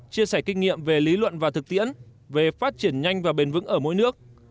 chia sẻ kinh nghiệm về lý luận và thực tiễn về phát triển nhanh và bền vững ở mỗi nước